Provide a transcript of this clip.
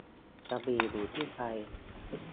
กระบี่อยู่ที่ใจ